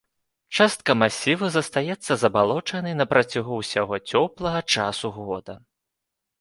Частка масіву застаецца забалочанай на працягу ўсяго цёплага часу года.